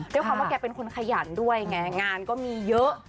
ด้วยความว่าแกเป็นคนขยันด้วยไงงานก็มีเยอะ